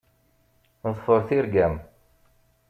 Ḍfeṛ tirga-m.